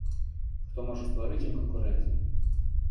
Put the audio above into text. Хто можа стварыць ім канкурэнцыю?